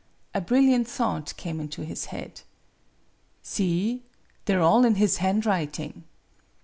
A brilliant thought came into his head. " See! They are all in his handwriting."